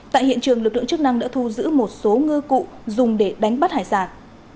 tại hiện trường lực lượng chức năng đã thu giữ một số ngư cụ dùng để đánh bắt hải sản